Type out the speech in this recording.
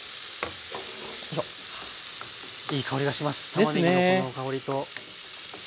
たまねぎのこの香りと。